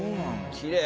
きれい！